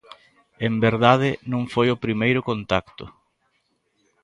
En verdade, non foi o primeiro contacto.